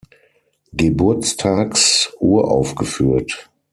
Geburtstags uraufgeführt.